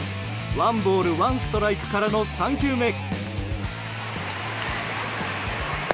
ワンボールワンストライクからの３球目。